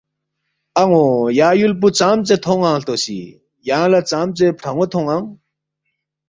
”ان٘و یا یُول پو ژامژے تھون٘نگ ہلتوسی، یانگ لہ ژامژے فران٘و تھون٘نگ؟“